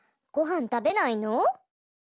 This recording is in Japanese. ごはんたべないの？